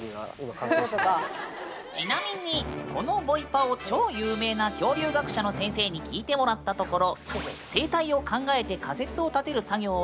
ちなみにこのボイパを超有名な恐竜学者の先生に聴いてもらったところ。